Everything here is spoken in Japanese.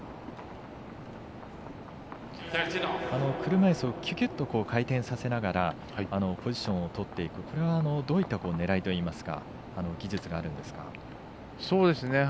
車いすをキュキュッと回転させながらポジションを取っていくこれはどういった狙いといいますか技術があるんですか？